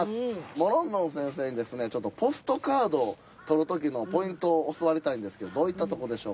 もろんのん先生にですねちょっとポストカードを撮る時のポイントを教わりたいんですけどどういったとこでしょうか？